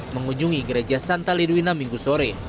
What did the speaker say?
mengunjungi gereja santa lidwina minggu sore